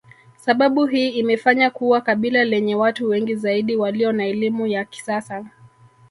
Sababu hii imefanya kuwa kabila lenye watu wengi zaidi walio na elimu ya kisasa